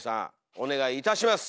お願いいたします！